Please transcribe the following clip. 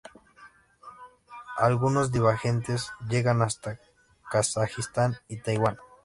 Algunos divagantes llegan hasta Kazajistán y Taiwán.